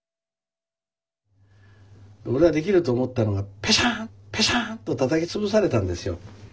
俺はできると思ったのがペシャンペシャンッとたたき潰されたんですよ。